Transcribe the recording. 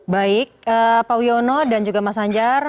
baik pak wiono dan juga mas anjar